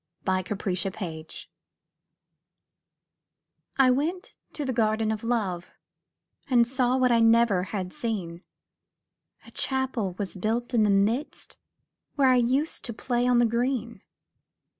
THE GARDEN OF LOVE I went to the Garden of Love, And saw what I never had seen; A Chapel was built in the midst, Where I used to play on the green.